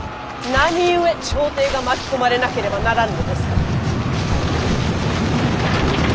何故朝廷が巻き込まれなければならぬのですか。